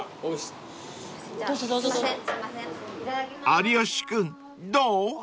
［有吉君どう？］